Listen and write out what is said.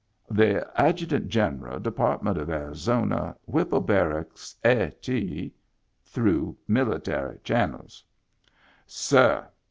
"The Adjutant General, Department of Arizona, Whipple Barracks, A. T. (Through Military Channels,) " Sir.